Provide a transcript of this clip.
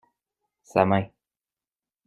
Sa main.